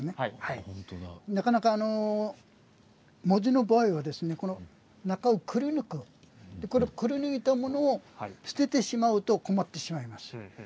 なかなか文字の場合は中をくりぬくくりぬいたものを捨ててしまうと困ってしまいます。